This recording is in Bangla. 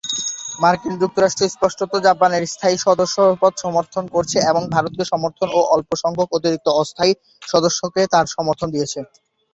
মার্কিন যুক্তরাষ্ট্র স্পষ্টত জাপানের স্থায়ী সদস্যপদ সমর্থন করেছে এবং ভারতকে সমর্থন ও অল্প সংখ্যক অতিরিক্ত অ-স্থায়ী সদস্যকে তার সমর্থন দিয়েছে।